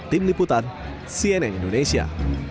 tim liputan cnn indonesia